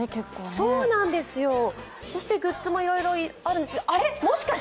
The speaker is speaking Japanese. そうなんですよ、そしてグッズもいろいろあるし。